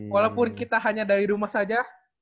walaupun kita hanya dari rumah saja